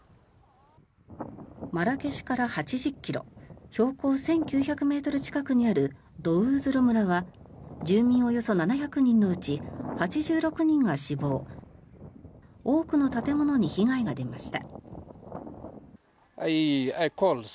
マラケシュから８０ｋｍ標高１９００ｍ近くにあるドウーズロ村は住民およそ７００人のうち８６人が死亡多くの建物に被害が出ました。